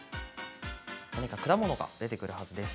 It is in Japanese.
果物が出てくるはずです。